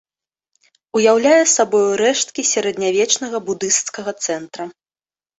Уяўляе сабою рэшткі сярэднявечнага будысцкага цэнтра.